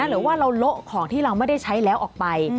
หรือว่าเราโละของที่เราไม่ได้ใช้แล้วออกไป